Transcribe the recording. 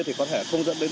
thì có thể không dẫn đến